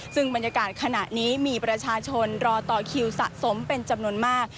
ซึ่งบรรยากาศขณะนี้มีประชาชนรอต่อคิวสะสมเป็นจำนวนมาก